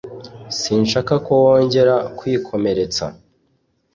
Sinshaka ko wongera kwikomeretsa.